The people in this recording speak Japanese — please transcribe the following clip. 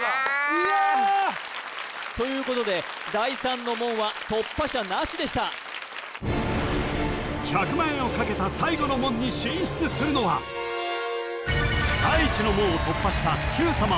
いや！ということで第三の門は突破者なしでした１００万円をかけた最後の門に進出するのは第一の門を突破した「Ｑさま！！」